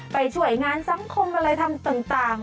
ไปช่วยงานสังคมอะไรทำต่าง